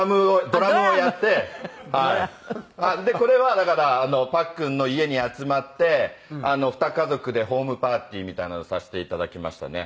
でこれはだからパックンの家に集まって２家族でホームパーティーみたいなのをさせて頂きましたね。